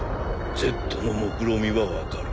Ｚのもくろみは分かる。